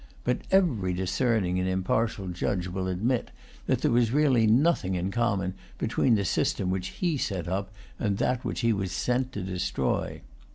But every discerning and impartial judge will admit, that there was really nothing in common between the system which he set up and that which he was sent to destroy.